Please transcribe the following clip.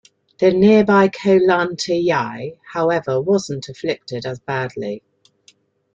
The nearby Ko Lanta Yai, however, wasn't afflicted as badly.